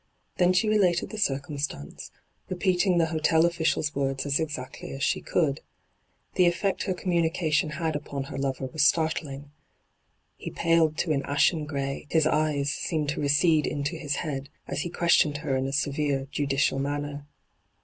Then she related the circumstance, repeating the hotel oflSiciarB words as exactly aa she could. The efiect her communication had upon her lover was startling. He paled to an ashen grey, his eyes seemed to recede into his head, as he questioned her in a severe, judicial manner.